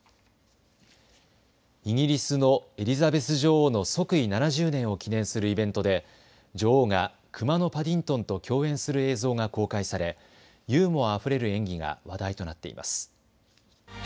イギリスのエリザベス女王の即位７０年を記念するイベントで女王がくまのパディントンと共演する映像が公開されユーモアあふれる演技が話題となっています。